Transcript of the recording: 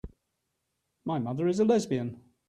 My mother is a lesbian.